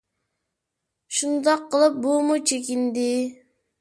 شۇنداق قىلىپ بۇمۇ چېكىندى.